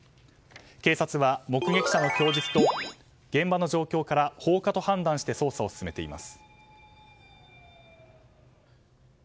警察は目撃者の供述と現場の状況から放火と判断して捜査を進めています。